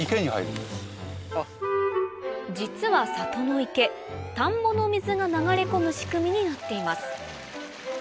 実は里の池田んぼの水が流れ込む仕組みになっています